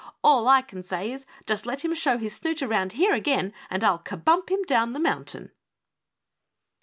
"All I can say is just let him show his snoot around here again and I'll kabump him down the mountain!"